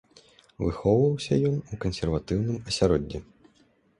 Выхоўваўся ён у кансерватыўным асяроддзі.